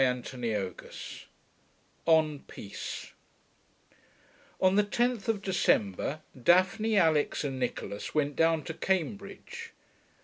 CHAPTER XVI ON PEACE 1 On the tenth of December, Daphne, Alix, and Nicholas went down to Cambridge.